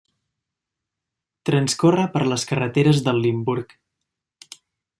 Transcorre per les carreteres del Limburg.